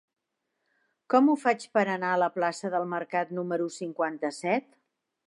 Com ho faig per anar a la plaça del Mercat número cinquanta-set?